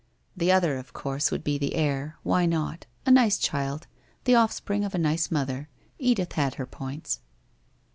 The other, of course, would be the heir. Why not ? A nice child, the offspring of a nice mother. Edith had her points.